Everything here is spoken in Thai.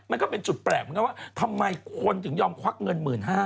มันก็เป็นจุดแปลกว่าทำไมคนถึงยอมควักเงิน๑๕๐๐๐